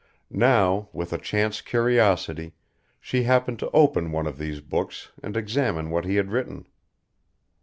Now, with a chance curiosity, she happened to open one of these books and examine what he had written.